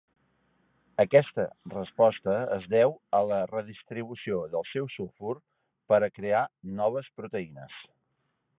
Aquesta resposta és deu a la redistribució del seu sulfur per a crear noves proteïnes.